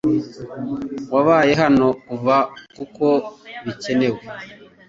Wabaye hano kuva kuko bikenewe